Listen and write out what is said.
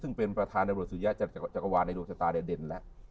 ซึ่งเป็นประธานบริษัทจักรวาลในดวงชะตาเด่นแล้ว